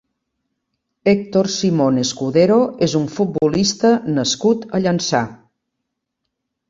Héctor Simón Escudero és un futbolista nascut a Llançà.